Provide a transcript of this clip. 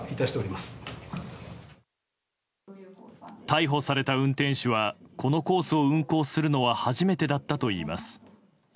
逮捕された運転手はこのコースを運行するのは初めてだったといいます。